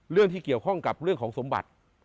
เรื่องที่เกี่ยวข้องกับเรื่องของสมบัติ